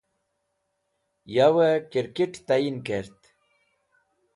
Yowey kirkit Tayin Kert